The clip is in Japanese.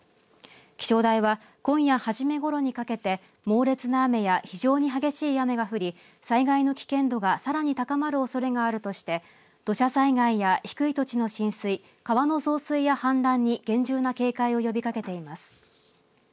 気象台は今夜初めごろにかけて猛烈な雨や非常に激しい雨が降り災害の危険度がさらに高まるおそれがあるとして土砂災害や低い土地の浸水、川の増水や氾濫に厳重な警戒を呼びかけています。